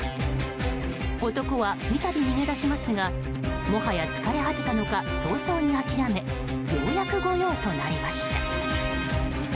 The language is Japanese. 男は三度逃げ出しますがもはや疲れ果てたのか早々に諦めようやく御用となりました。